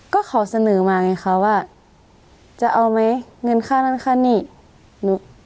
ก็ขอเสนอมาไงคะว่าจะเอาไหมเงินค่านั่นค่านี่หนู